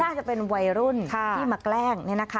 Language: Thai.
น่าจะเป็นวัยรุ่นที่มาแกล้ง